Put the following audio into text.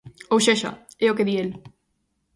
Ou sexa, é o que di el.